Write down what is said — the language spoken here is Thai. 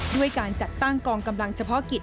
ด้วยการจัดตั้งกองกำลังเฉพาะกิจ